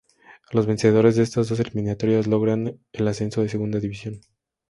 Los vencedores de estas dos eliminatorias, logran el ascenso a Segunda División.